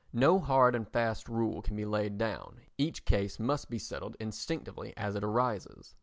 No hard and fast rule can be laid down, each case must be settled instinctively as it arises.